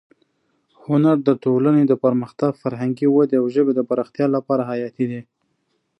هنر د ټولنې د پرمختګ، فرهنګي ودې او ژبې د پراختیا لپاره حیاتي دی.